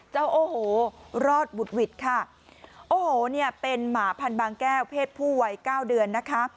เจ้าโอ้โหรอดบุตต์ค่ะเป็นหมาพันบางแก้วเพศพู่วัยก้าวเดือน